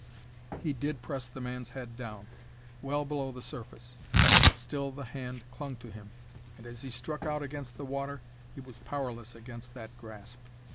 He did press the man's head down,—well down below the surface,—but still the hand clung to him, and as he struck out against the water, he was powerless against that grasp.